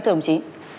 thưa đồng chí